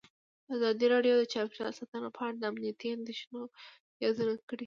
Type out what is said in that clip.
ازادي راډیو د چاپیریال ساتنه په اړه د امنیتي اندېښنو یادونه کړې.